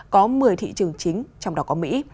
có một mươi thị trường chính trong đó có mỹ